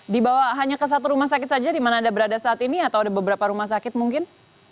dibawa hanya ke satu rumah sakit saja di mana anda berada saat ini atau ada beberapa rumah sakit mungkin